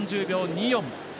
４０秒２４。